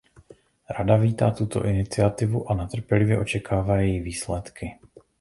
Rada vítá tuto iniciativu a netrpělivě očekává její výsledky.